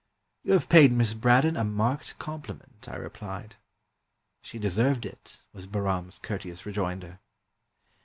"You have paid Miss Braddon a marked compli ment," I replied. "She deserved it," was Bahram's courteous rejoinder.